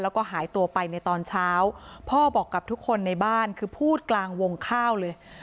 แล้วก็หายตัวไปในตอนเช้าพ่อบอกกับทุกคนในบ้านคือพูดกลางวงข้าวเลย